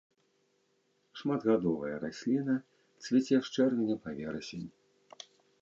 Шматгадовая расліна, цвіце з чэрвеня па верасень.